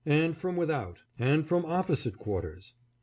595 and from without, and from opposite quarters.